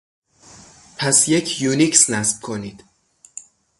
پس یک یونیکس نصب کنید.